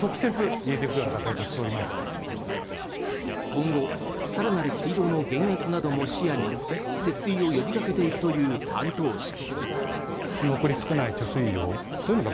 今後更なる水道の減圧なども視野に節水を呼びかけていくという担当者。